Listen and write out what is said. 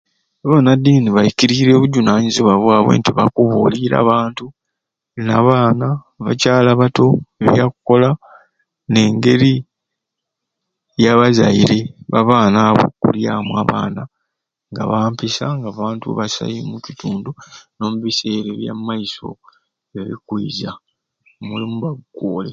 Abanadiini baikiriirye obuvunanyizibwa bwabwe nti bakubuulurira abantu n'abaana abakyali abato ebyakukola n'engeri yabazaire ba baana okukulyamu abaana nga bampisa nga bantu basai omukitundu n'omubiseera ebya mumaiso n'ebikwiza omulimu bagukoore.